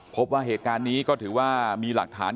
พบว่าเหตุการณ์นี้ก็ถือว่ามีหลักฐาน